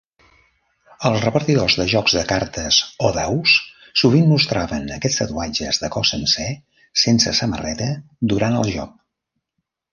Els repartidors de jocs de cartes o daus sovint mostraven aquests tatuatges de cos sencer sense samarreta durant el joc.